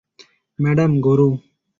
Madam, গরু!